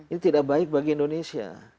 ini tidak baik bagi indonesia